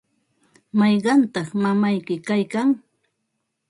¿mayqantaq mamayki kaykan?